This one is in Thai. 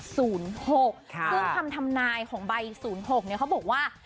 ซึ่งคำทำนายของใบ๐๖เขาบอกว่า